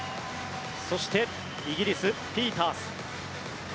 そして、イギリスピータース。